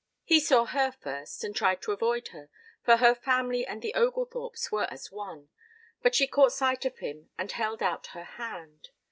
He saw her first and tried to avoid her, for her family and the Oglethorpes were as one, but she caught sight of him and held out her hand.